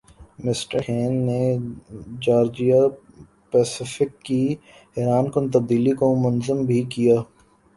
mister Hain نے Georgia Pacific کی حیرانکن تبدیلی کو منظم بھِی کِیا